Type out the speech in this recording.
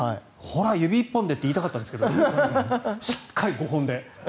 ほら、指１本でって言いたかったんですけどしっかり５本で。